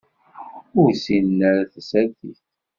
Ur ssinen ara tasertit.